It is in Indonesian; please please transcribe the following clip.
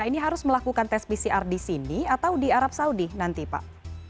ini harus melakukan tes pcr di sini atau di arab saudi nanti pak